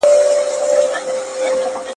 ¬ د نورو هغې نيمه د انا دا يوه نيمه.